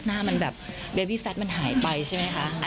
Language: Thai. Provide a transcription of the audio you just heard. หน้ามันกลายแบบแบบดูสลายหายไปใช่ไหมค่ะ